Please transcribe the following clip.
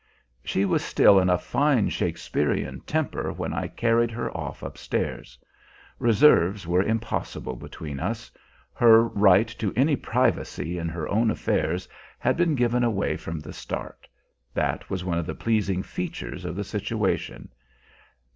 She was still in a fine Shakespearean temper when I carried her off up stairs. Reserves were impossible between us; her right to any privacy in her own affairs had been given away from the start; that was one of the pleasing features of the situation.